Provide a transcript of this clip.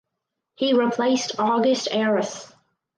He replaced August Arras.